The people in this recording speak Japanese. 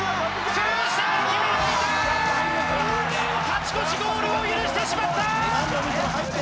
勝ち越しゴールを許してしまった！